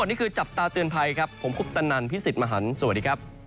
โปรดติดตามตอนต่อไป